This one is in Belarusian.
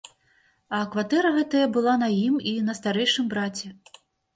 А кватэра гэтая была на ім і на старэйшым браце.